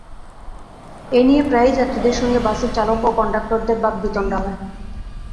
এ নিয়ে প্রায়ই যাত্রীদের সঙ্গে বাসের চালক ও কন্ডাক্টরদের বাগ্বিতণ্ডা হয়।